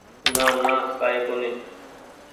نانا ڪآئي ڪونيٚ